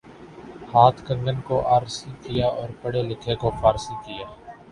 ہاتھ کنگن کو آرسی کیا اور پڑھے لکھے کو فارسی کیا